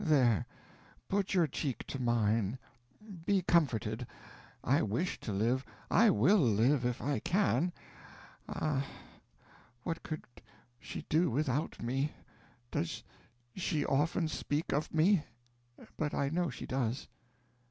There put your cheek to mine. Be comforted. I wish to live. I will live if I can. Ah, what could she do without me!... Does she often speak of me? but I know she does."